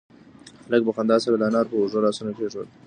هلک په خندا سره د انا پر اوږو لاسونه کېښودل.